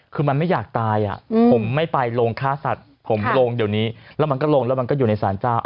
คือมันไม่อยากตายผมไม่ไปโรงฆ่าสัตว์ผมลงเดี๋ยวนี้แล้วมันก็ลงแล้วมันก็อยู่ในสารเจ้า